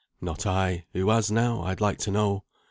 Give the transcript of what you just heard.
"Not I; who has now, I'd like to know.